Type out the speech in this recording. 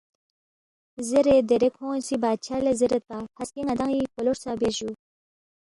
زیرے دیرے کھون٘ی سی بادشاہ لہ زیریدپا، ہسکے ن٘دان٘ی پولو ہرژیا بیوس جُو